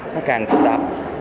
nó càng phức tạp